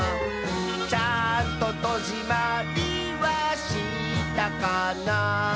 「ちゃんととじまりはしたかな」